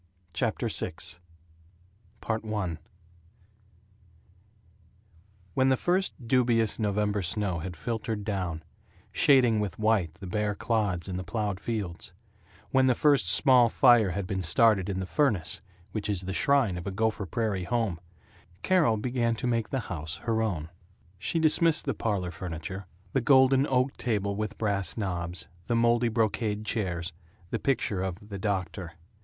CHAPTER VI I WHEN the first dubious November snow had filtered down, shading with white the bare clods in the plowed fields, when the first small fire had been started in the furnace, which is the shrine of a Gopher Prairie home, Carol began to make the house her own. She dismissed the parlor furniture the golden oak table with brass knobs, the moldy brocade chairs, the picture of "The Doctor."